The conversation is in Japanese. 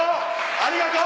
ありがとう！